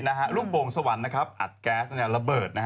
หลังลูกโปร่งสวรรค์อัดแก๊สระเบิร์ด